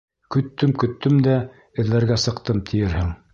Көттөм-көттөм дә эҙләргә сыҡтым, тиерһең.